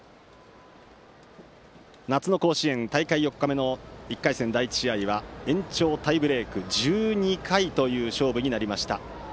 夏の甲子園大会４日目の１回戦第１試合は延長タイブレーク１２回という勝負になりました。